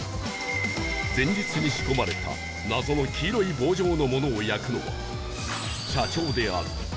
前日に仕込まれた謎の黄色い棒状のものを焼くのは